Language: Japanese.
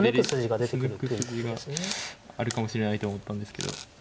素抜く筋があるかもしれないと思ったんですけど。